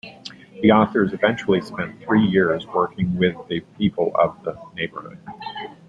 The authors eventually spent three years working with the people of the neighborhood.